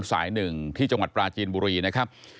สาย๑ที่จังหวัดปราจีนบุรีนะครับ